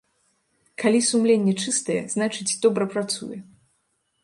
Калі сумленне чыстае, значыць, добра працуе.